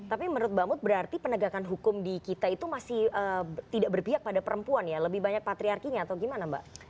tapi menurut mbak mut berarti penegakan hukum di kita itu masih tidak berpihak pada perempuan ya lebih banyak patriarkinya atau gimana mbak